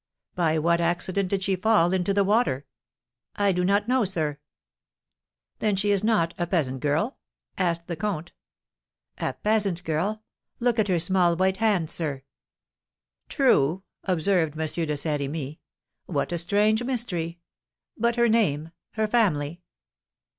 "By what accident did she fall into the water?" "I do not know, sir." "Then she is not a peasant girl?" asked the comte. "A peasant girl, look at her small white hands, sir!" "True," observed M. de Saint Remy; "what a strange mystery! But her name her family?"